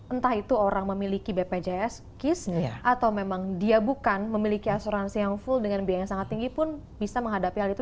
entah itu orang memiliki bpjs kis atau memang dia bukan memiliki asuransi yang full dengan biaya yang sangat tinggi pun bisa menghadapi hal itu